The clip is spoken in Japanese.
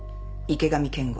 池上健吾。